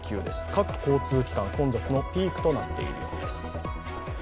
各交通機関、混雑のピークとなっているようです。